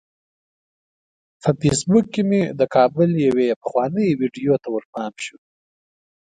په فیسبوک کې مې د کابل یوې پخوانۍ ویډیو ته ورپام شو.